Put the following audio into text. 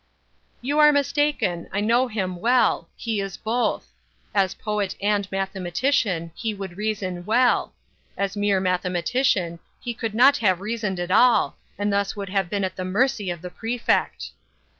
"You are mistaken; I know him well; he is both. As poet and mathematician, he would reason well; as mere mathematician, he could not have reasoned at all, and thus would have been at the mercy of the Prefect."